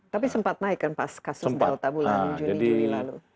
tapi sempat naik kan pas kasus delta bulan juni juli lalu